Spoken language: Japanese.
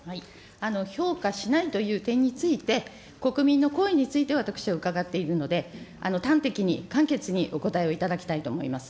評価しないという点について、国民の声について私、伺っているので、端的に簡潔にお答えをいただきたいと思います。